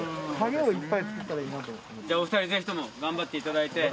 じゃあお二人ぜひとも頑張っていただいて。